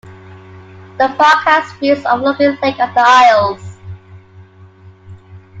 The park has views overlooking Lake of the Isles.